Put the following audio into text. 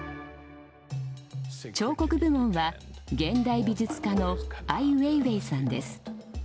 彫刻部門は現代美術家のアイ・ウェイウェイさんです。